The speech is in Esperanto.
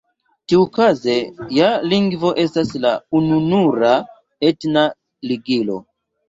Tiukaze ja lingvo estas la ununura etna ligilo.